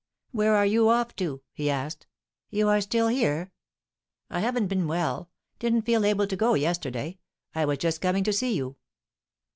"Where are you off to?" he asked. "You are still here?" "I haven't been well. Didn't feel able to go yesterday. I was just coming to see you."